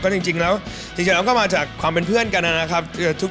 จริงแล้วจริงแล้วก็มาจากความเป็นเพื่อนกันนะครับ